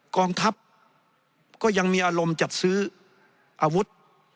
กองทัพก็ยังมีอารมณ์จัดซื้ออาวุธ